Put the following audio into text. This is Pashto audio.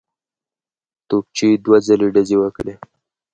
توپچي دوه ځلي ډزې وکړې.